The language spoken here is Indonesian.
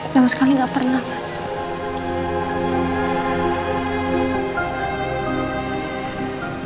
sama sekali gak pernah mas